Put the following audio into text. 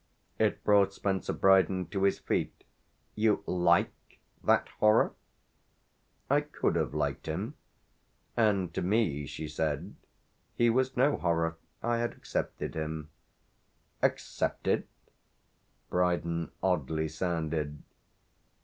It brought Spencer Brydon to his feet. "You 'like' that horror ?" "I could have liked him. And to me," she said, "he was no horror. I had accepted him." "'Accepted' ?" Brydon oddly sounded.